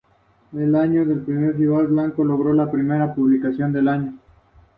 Nació en Rosario, en una familia adinerada.